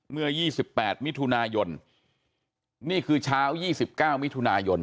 เมื่อ๒๘มิถุนายนนี่คือเช้า๒๙มิถุนายน